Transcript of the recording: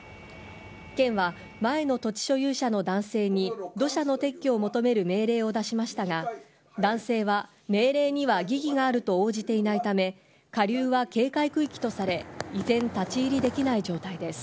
県は前の土地所有者の男性に、土砂の撤去を求める命令を出しましたが、男性は命令には疑義があると応じていないため、下流は警戒区域とされ、依然、立ち入りできない状態です。